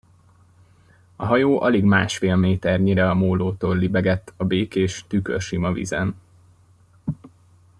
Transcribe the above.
A hajó alig másfél méternyire a mólótól libegett a békés, tükörsima vízen.